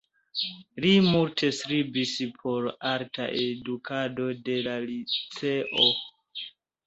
Li multe strebis por alta edukado de la liceo.